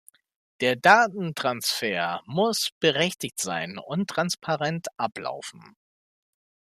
Der Datentransfer muss berechtigt sein und transparent ablaufen.